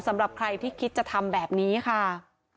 สำหรับใครที่คิดจะทำแบบนี้ค่ะ